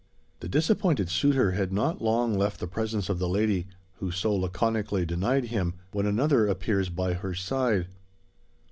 The disappointed suitor had not long left the presence of the lady, who so laconically denied him, when another appears by her side.